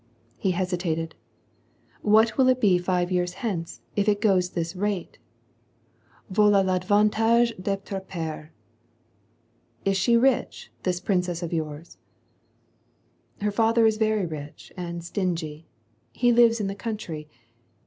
He hesitated: "What will it be five yeart hence, if it goes at this rate. VoUa V advantage (Tetre ptreJ Is she rich, this princess of yours ?''" Her father is very rich and stingy. He lives in the coun^ try.